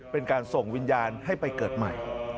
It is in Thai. เป็นการส่งวิญญาณให้ไปเกิดใหม่